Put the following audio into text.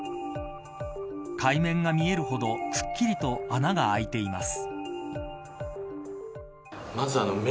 海面が見えるほど、くっきりと穴があいています。